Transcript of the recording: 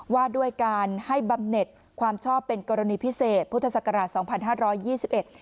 ว่าด้วยการให้บำเน็ตความชอบเป็นกรณีพิเศษพุทธศักราช๒๕๒๑